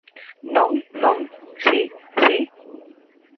Non, non, si, si.